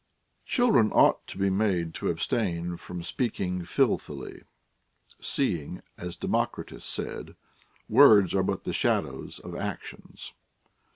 Children ought to be made to abstain from speaking filthily, seeing, as Democritus said, words are but the shadows of actions.